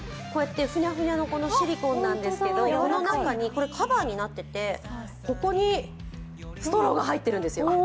こうやってふにゃふにゃのシリコンなんですけどこの中に、カバーになっていて、ここにストローが入ってるんですよ。